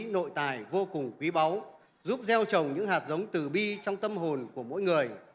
nội tài vô cùng quý báu giúp gieo trồng những hạt giống từ bi trong tâm hồn của mỗi người